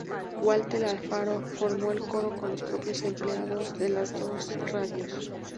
Walter Alfaro formó el coro con los propios empleados de las dos radios.